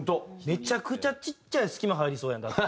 めちゃくちゃちっちゃい隙間入りそうやんだって。